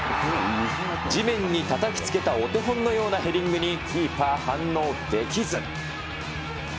地面にたたきつけたお手本のようなヘディングにキーパー反応できず。